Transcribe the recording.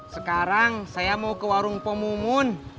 sekarang saya mau ke warung pemumun